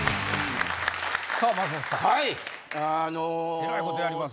えらいことやりますね。